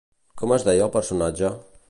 Com es deia el personatge?